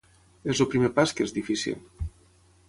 És el primer pas que és difícil.